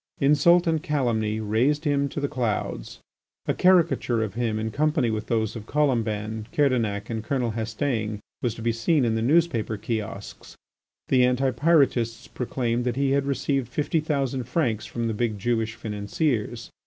Insult and calumny raised him to the clouds. A caricature of him in company with those of Colomban, Kerdanic, and Colonel Hastaing was to be seen in the newspaper kiosks. The Anti Pyrotists proclaimed that he had received fifty thousand francs from the big Jewish financiers.